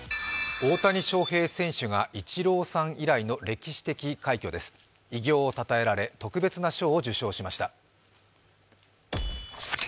大谷翔平選手がイチローさん以来の歴史的快挙です。偉業をたたえられ特別な賞を受賞しました。